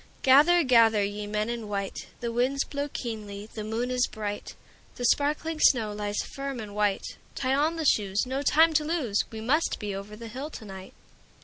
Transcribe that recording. Gather, gather, ye men in white; The winds blow keenly, the moon is bright, The sparkling snow lies firm and white; Tie on the shoes, no time to lose, We must be over the hill to night.